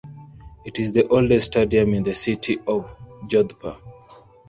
It is the oldest stadium in the city of Jodhpur.